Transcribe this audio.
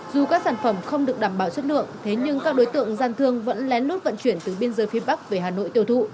dù các sản phẩm không được đảm bảo chất lượng thế nhưng các đối tượng gian thương vẫn lén lút vận chuyển từ biên giới phía bắc về hà nội tiêu thụ